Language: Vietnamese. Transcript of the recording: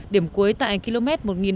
điểm cuối tại km